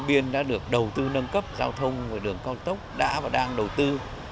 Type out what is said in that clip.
điện biên đã được đầu tư nâng cấp giao thông và đường con tốc đã và đang đầu tư